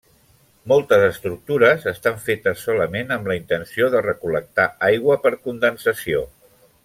Moltes estructures estan fetes solament amb la intenció de recol·lectar aigua per condensació.